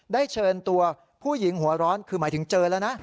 ได้เชิญตัวผู้หญิงหัวร้อนคือหมายถึงเจอแล้วนะ